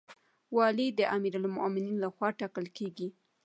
والی د امیرالمؤمنین لخوا ټاکل کیږي